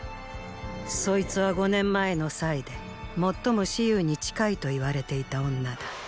そいつは五年前の“祭”で最も蚩尤に近いと言われていた女だ。